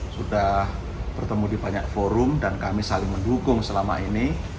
sudah bertemu di banyak forum dan kami saling mendukung selama ini